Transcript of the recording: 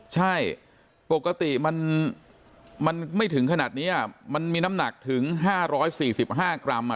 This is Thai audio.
ใช่ปกติมันมันไม่ถึงขนาดนี้อ่ะมันมีน้ำหนักถึงห้าร้อยสี่สิบห้ากรัมอ่ะ